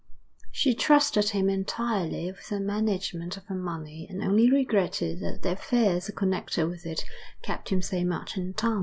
She trusted him entirely with the management of her money and only regretted that the affairs connected with it kept him so much in town.